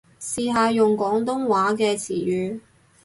試下用廣東話嘅詞語